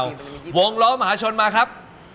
วงล้อมหาชนมาครับ